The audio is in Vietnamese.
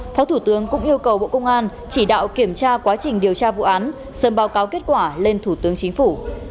phó thủ tướng cũng yêu cầu bộ công an chỉ đạo kiểm tra quá trình điều tra vụ án sớm báo cáo kết quả lên thủ tướng chính phủ